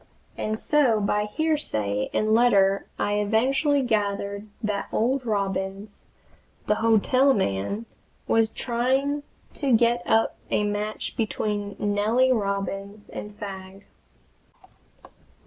And so by hearsay and letter I eventually gathered that old Robins, the hotel man, was trying to get up a match between Nellie Robins and Fagg.